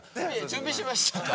準備しましょうか？